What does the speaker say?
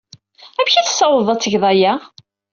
Amek ay tessawḍeḍ ad tgeḍ aya?